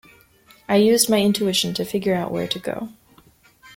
I used my intuition to figure out where to go.